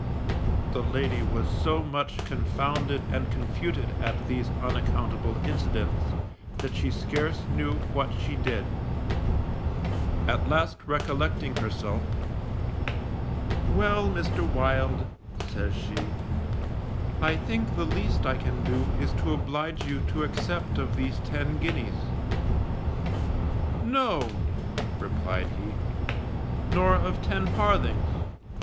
_ The lady was so much confounded and confuted at these unaccountable incidents, that she scarce knew what she did; at last recollecting herself, Well, Mr. Wild, says she; I think the least I can do is to oblige you to accept of these ten guineas. No, replied he, _nor of ten farthings.